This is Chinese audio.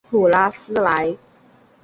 普拉斯莱。